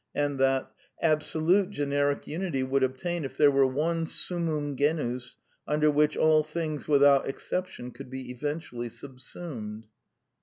And that: ^Absolute generic unity would obtain if there were one summum genus under which all things without exception could be eventually subsumed